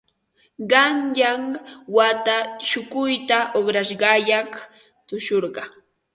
Qanyan wata shukuyta uqrashqayaq tushurqaa.